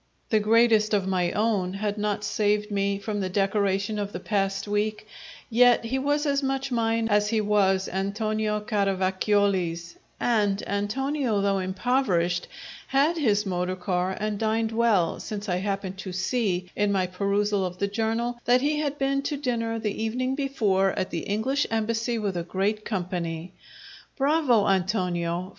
The greatest of my own had not saved me from the decoration of the past week, yet he was as much mine as he was Antonio Caravacioli's; and Antonio, though impoverished, had his motor car and dined well, since I happened to see, in my perusal of the journal, that he had been to dinner the evening before at the English Embassy with a great company. "Bravo, Antonio!